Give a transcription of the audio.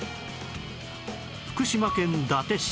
福島県伊達市